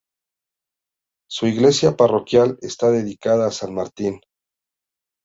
Su iglesia parroquial está dedicada a San Martín.